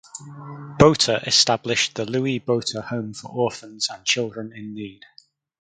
Botha established the Louis Botha Home for Orphans and Children in Need.